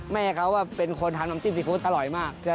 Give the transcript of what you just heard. แม่เขาเป็นคนทำน้ำจิ้มซีฟู้ดอร่อยมาก